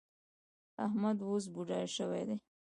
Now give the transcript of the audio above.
احمد اوس بوډا شوی دی.